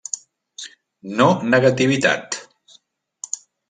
No negativitat.